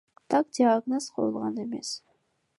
Так диагноз коюлган эмес.